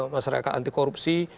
masyarakat anti korupsi